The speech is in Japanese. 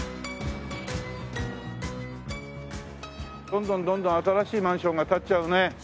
どんどんどんどん新しいマンションが建っちゃうね。